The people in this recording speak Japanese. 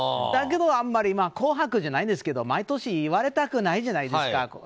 だけど、あまり「紅白」じゃないですけど毎年言われたくないじゃないですか。